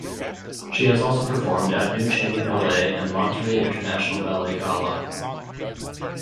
She has also performed at New Chamber Ballet and Monterrey International Ballet Gala.